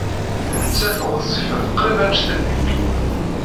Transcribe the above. Nettat ɣezzifet qrib anect-nnek.